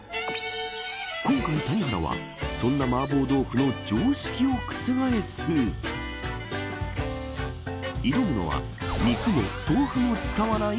今回、谷原はそんなマーボー豆腐の常識を覆す挑むのは、肉も豆腐も使わない